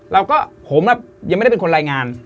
แล้วก็ผมยังไม่ได้เป็นคนรายงาน